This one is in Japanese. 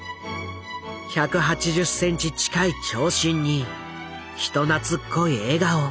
１８０センチ近い長身に人懐っこい笑顔。